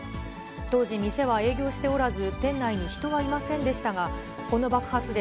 当時、店は営業しておらず、店内に人はいませんでしたが、この爆発で、